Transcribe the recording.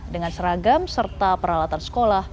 dengan seragam serta peralatan sekolah